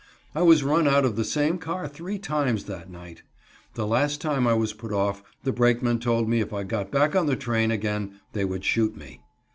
I was run out of the same car three times that night. The last time I was put off; the brakemen told me if I got back on the train again they would shoot me.